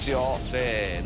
せの。